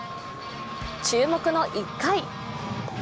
注目の１回。